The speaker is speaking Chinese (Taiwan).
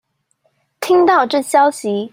聽到這消息